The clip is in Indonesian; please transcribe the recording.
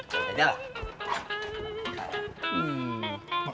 ya udah lah